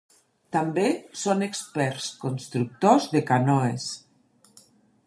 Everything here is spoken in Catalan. També són experts constructors de canoes.